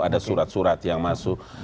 ada surat surat yang masuk